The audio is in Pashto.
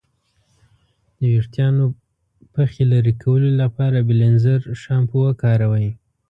د ویښتانو پخې لرې کولو لپاره بیلینزر شامپو وکاروئ.